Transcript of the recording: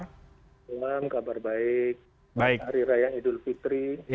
selamat malam kabar baik hari raya idul fitri